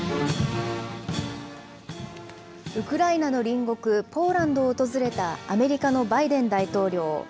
ウクライナの隣国、ポーランドを訪れたアメリカのバイデン大統領。